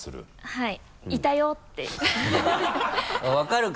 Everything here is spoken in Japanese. はい。